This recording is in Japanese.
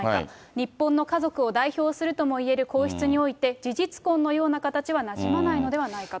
日本の家族を代表するともいえる皇室において、事実婚のような形はなじまないのではないかと。